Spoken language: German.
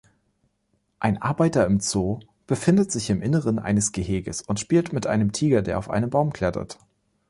Ein Arbeiter im Zoo befindet sich im inneren eines Geheges und spielt mit einem Tiger, der auf einen Baum klettert